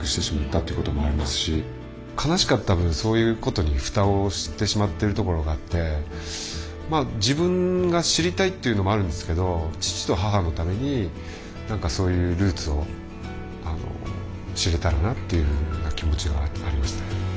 悲しかった分そういうことに蓋をしてしまってるところがあってまあ自分が知りたいっていうのもあるんですけど父と母のために何かそういうルーツをあの知れたらなっていうふうな気持ちがありましたね。